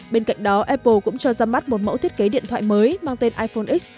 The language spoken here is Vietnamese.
bên cạnh đó apple cũng cho ra mắt một mẫu thiết kế điện thoại mới mang tên iphone x